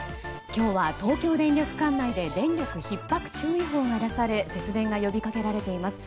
今日は東京電力管内で電力ひっ迫注意報が出され節電が呼びかけられています。